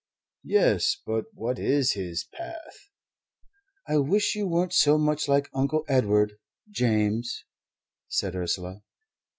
"Yes, but what is his path?" "I wish you weren't so much like Uncle Edward, James," said Ursula.